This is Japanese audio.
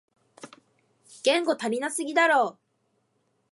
言語足りなすぎだろ